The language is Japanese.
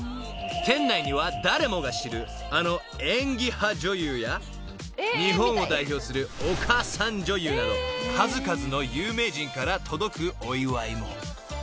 ［店内には誰もが知るあの演技派女優や日本を代表するお母さん女優など数々の有名人から届くお祝いも］